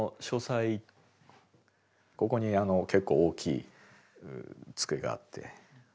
ここに結構大きい机があって。